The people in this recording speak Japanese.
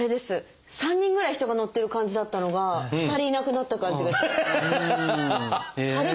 ３人ぐらい人が乗ってる感じだったのが２人いなくなった感じがしてます。